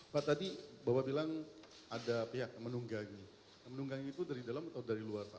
pak tadi bapak bilang ada pihak yang menunggangi itu dari dalam atau dari luar pak